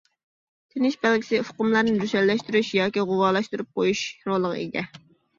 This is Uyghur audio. تىنىش بەلگىسى ئۇقۇملارنى روشەنلەشتۈرۈش ياكى غۇۋالاشتۇرۇپ قويۇش رولىغا ئىگە.